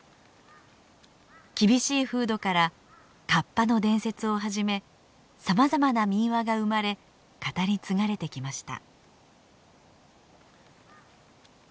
厳しい風土からカッパの伝説をはじめさまざまな民話が生まれ語り継がれてきました。